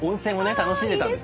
楽しんでたんです。